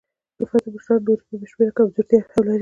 د فتح مشران نورې بې شمېره کمزورتیاوې هم لري.